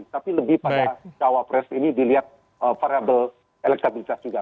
tapi lebih pada cawapres ini dilihat variable elektabilitas juga